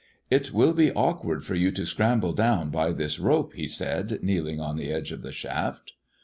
" It will be awkward for you to scramble down by this rope/' he said, kneeling on the edge of the shaft.